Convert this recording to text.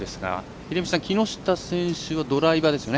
秀道さん木下選手はドライバーですよね。